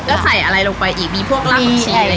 แล้วใส่อะไรลงไปอีกมีพวกราบผักชี